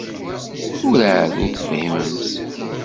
Werɛad ur tefhimemt.